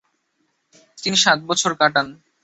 তিনি সাত বছর কাটান।